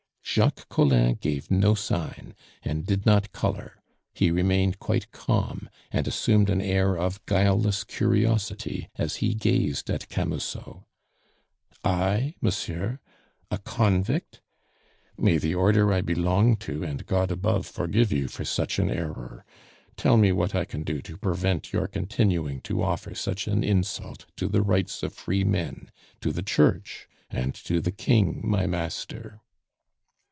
Jacques Collin gave no sign, and did not color; he remained quite calm, and assumed an air of guileless curiosity as he gazed at Camusot. "I, monsieur? A convict? May the Order I belong to and God above forgive you for such an error. Tell me what I can do to prevent your continuing to offer such an insult to the rights of free men, to the Church, and to the King my master."